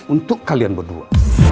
untuk kalian berdua